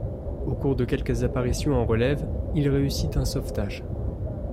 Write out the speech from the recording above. Au cours de quelques apparitions en relève, il réussit un sauvetage.